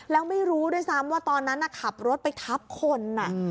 แล้วไม่รู้ด้วยซ้ำว่าตอนนั้นขับรถไปทับคน